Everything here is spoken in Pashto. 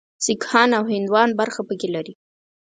سیکهان او هندوان برخه پکې لري.